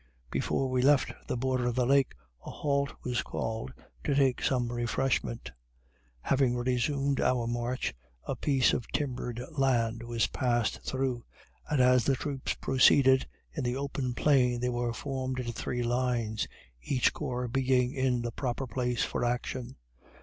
Before we left the border of the lake, a halt was called to take some refreshment. Having resumed our march, a piece of timbered land was passed through, and as the troops proceeded in the open plain they were formed into three lines, each corps being in the proper place for action.